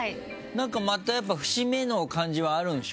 なんかまたやっぱ節目の感じはあるんでしょ？